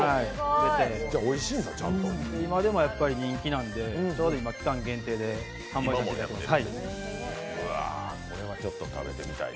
今でも人気なので、ちょうど今、期間限定で販売しています。